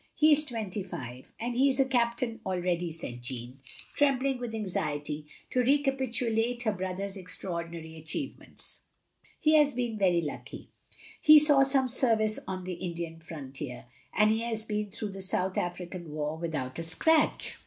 "He is twenty five, — and he is a captain already," said Jeanne, trembling with anxiety to recapitulate her brother's extraordinary achieve ments. "He has been very lucky. He saw some service on the Indian Frontier, and he has been through the South African War without a scratch.